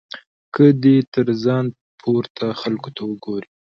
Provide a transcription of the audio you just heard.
که دی تر ځان پورته خلکو ته وګوري.